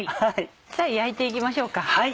じゃあ焼いて行きましょうか。